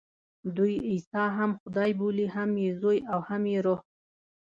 دوی عیسی هم خدای بولي، هم یې زوی او هم یې روح.